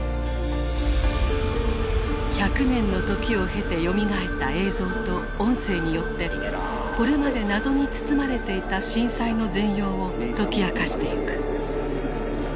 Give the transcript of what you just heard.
１００年の時を経てよみがえった映像と音声によってこれまで謎に包まれていた震災の全容を解き明かしていく。